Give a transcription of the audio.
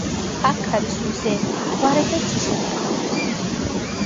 აქ არის მზე მთვარე და ცისარტყელა